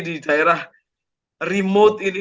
di daerah remote ini